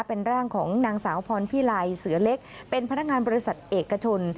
เป็นร่างของนางสาวพรพิไลเสือเล็กเป็นพนักงานบริษัทเอกชน